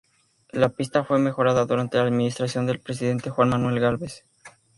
La pista fue mejorada durante la administración del presidente Juan Manuel Gálvez.